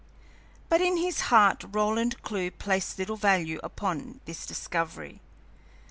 But in his heart Roland Clewe placed little value upon this discovery.